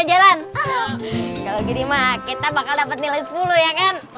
jalan jalan kita bakal dapat nilai sepuluh ya kan